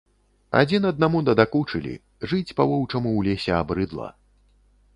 Адзін аднаму надакучылі, жыць па-воўчаму ў лесе абрыдла.